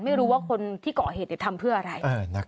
ไม่รู้ว่าคนที่ก่อเหตุทำเพื่ออะไร